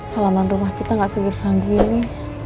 halaman rumah kita gak sebesar gini